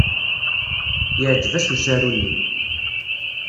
Yeɛjeb-as usaru-nni.